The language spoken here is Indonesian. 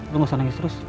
lu gak usah nangis terus